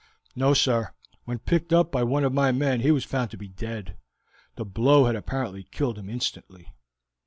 "No, sir, when picked up by one of my men he was found to be dead; the blow had apparently killed him instantly."